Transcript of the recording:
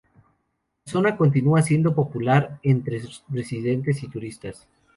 La zona continúa siendo popular entre residentes y turistas.